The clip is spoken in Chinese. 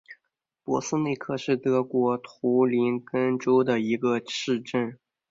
珀斯内克是德国图林根州的一个市镇。